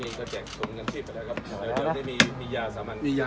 มีก็แจกสมงานชีพไปแล้วครับแล้วจะได้มีมียาสามัญมียา